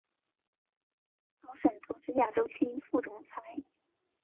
高盛投资亚洲区副总裁。